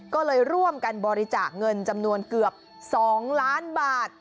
ก็เลยร่วมกันบริจาคเงินจำนวนเกือบ๒ล้านบาท